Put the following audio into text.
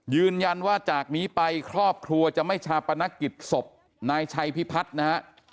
ยืนยันว่าจากนี้ไปครอบครัวจะไม่ชาปนกิจศพนายชัยพิพัฒน์นะฮะ